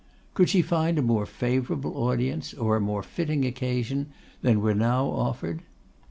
Could she find a more favourable audience, or a more fitting occasion, than were now offered?